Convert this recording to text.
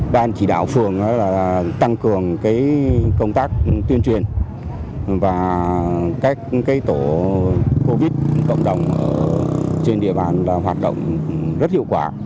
ban chỉ đạo phường tăng cường công tác tuyên truyền và các tổ covid cộng đồng trên địa bàn hoạt động rất hiệu quả